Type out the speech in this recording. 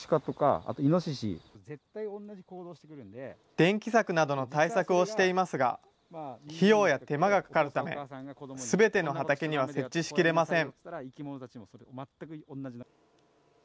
電気柵などの対策をしていますが、費用や手間がかかるため、すべての畑には設置しきれません。